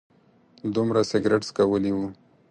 دومره سګرټ څکولي و.